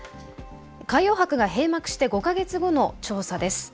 海洋博が閉幕して５か月後の調査です。